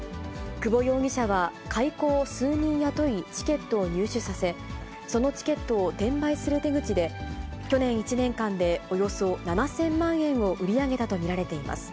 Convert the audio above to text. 久保容疑者は買い子を数人雇い、チケットを入手させ、そのチケットを転売する手口で、去年１年間でおよそ７０００万円を売り上げたと見られています。